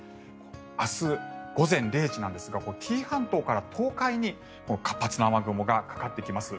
明日午前０時なんですが紀伊半島から東海に活発な雨雲がかかってきます。